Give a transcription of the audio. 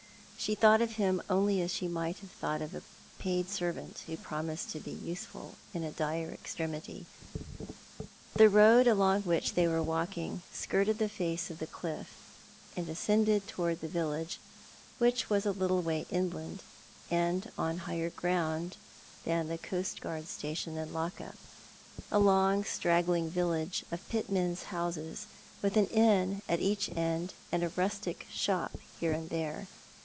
She thought of him only as she might have thought of a paid servant who promised to bo useful in a dire extremity. The road along which they were walking skirted the face of the cliff, and ascended towards the village, which was a little way inland, and on higher ground than the coastguard station and lock up — a long straggling village of pitmen's houses, with an inn at each end and a rustic shop here and there.